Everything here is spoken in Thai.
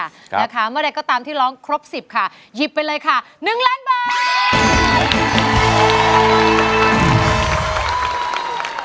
เมื่อไหร่ก็ตามที่ร้องครบ๑๐ค่ะหยิบไปเลยค่ะ๑ล้านบาท